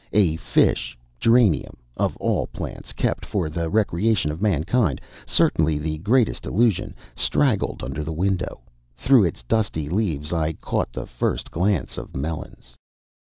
A fish geranium of all plants kept for the recreation of mankind, certainly the greatest illusion straggled under the window. Through its dusty leaves I caught the first glance of Melons.